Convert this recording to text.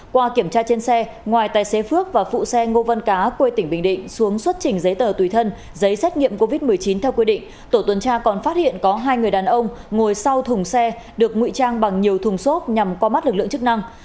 qua kiểm tra trên xe ngoài tài xế phước và phụ xe ngô văn cá quê tỉnh bình định xuống xuất trình giấy tờ tùy thân giấy xét nghiệm covid một mươi chín theo quy định tổ tuần tra còn phát hiện có hai người đàn ông ngồi sau thùng xe được nguy trang bằng nhiều thùng xốp nhằm qua mắt lực lượng chức năng